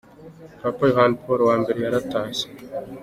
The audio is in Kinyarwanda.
Papa Yohani Paul wa mbere yaratashye.